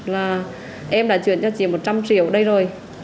là em đã chuyển cho chị một trăm linh triệu đây rồi